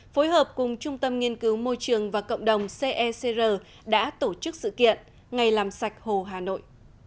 phối hợp cùng trung tâm nghiên cứu môi trường và cộng đồng cecr đã tổ chức sự kiện ngày làm sạch hồ hà nội